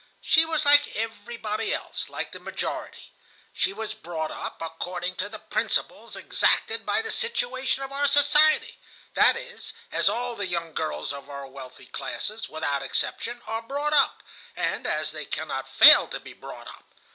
She was like everybody else, like the majority. She was brought up according to the principles exacted by the situation of our society,—that is, as all the young girls of our wealthy classes, without exception, are brought up, and as they cannot fail to be brought up.